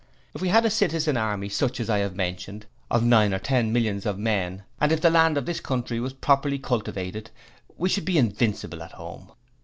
If we had a Citizen Army such as I have mentioned, of nine or ten millions of men and if the land of this country was properly cultivated, we should be invincible at home.